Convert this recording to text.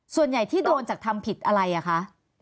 ส่วนใหญ่ที่โดนจากทำผิดอะไรอ่ะคะ